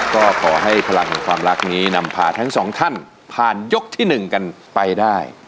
ก็ขอให้พลังแห่งความรักนี้นำพาทั้งสองท่านผ่านยกที่๑กันไปได้